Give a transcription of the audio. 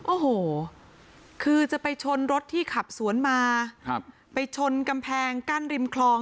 โอ้โหคือจะไปชนรถที่ขับสวนมาครับไปชนกำแพงกั้นริมคลอง